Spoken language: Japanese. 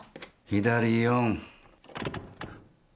左４。